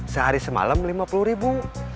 sehari semalam lima puluh ribu